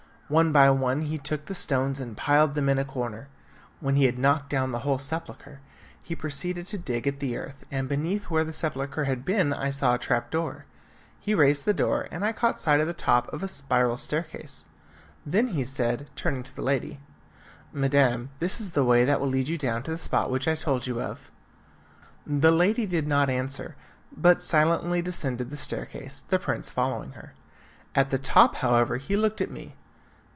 One by one he took the stones and piled them up in a corner. When he had knocked down the whole sepulchre he proceeded to dig at the earth, and beneath where the sepulchre had been I saw a trap door. He raised the door and I caught sight of the top of a spiral staircase; then he said, turning to the lady, "Madam, this is the way that will lead you down to the spot which I told you of." The lady did not answer, but silently descended the staircase, the prince following her. At the top, however, he looked at me.